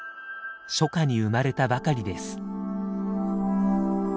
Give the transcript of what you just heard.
初夏に生まれたばかりです。